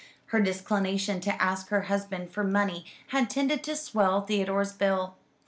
Her disinclination to ask her husband for money had tended to swell Theodore's bill.